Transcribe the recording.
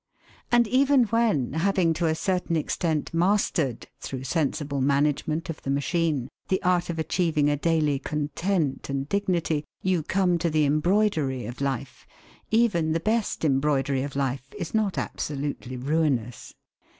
And even when, having to a certain extent mastered, through sensible management of the machine, the art of achieving a daily content and dignity, you come to the embroidery of life even the best embroidery of life is not absolutely ruinous.